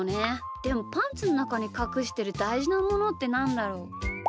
でもパンツのなかにかくしてるだいじなものってなんだろう？